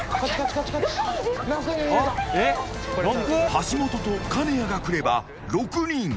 橋本と金谷が来れば６人。